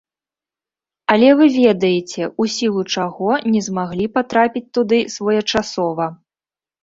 Але вы ведаеце, у сілу чаго не змаглі патрапіць туды своечасова.